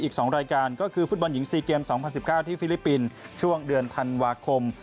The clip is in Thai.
อีก๒รายการก็คือฟุตบอลหญิง๔เกม๒๐๑๙ที่ฟิลิปปินส์ช่วงเดือนธันวาคม